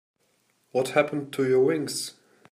What happened to your wings?